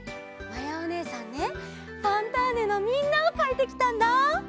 まやおねえさんね「ファンターネ！」のみんなをかいてきたんだ！